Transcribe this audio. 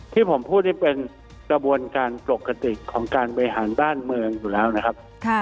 ที่ผมพูดนี่เป็นกระบวนการปกติของการบริหารบ้านเมืองอยู่แล้วนะครับ